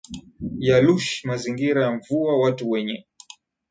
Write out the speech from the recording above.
ya lush mazingira ya mvua watu wenye